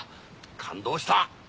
感動した。